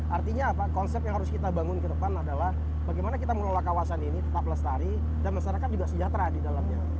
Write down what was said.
artinya apa konsep yang harus kita bangun ke depan adalah bagaimana kita mengelola kawasan ini tetap lestari dan masyarakat juga sejahtera di dalamnya